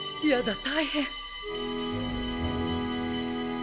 やだ大変！